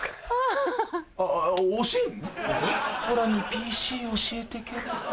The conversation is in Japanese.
オラにＰＣ教えてけろ。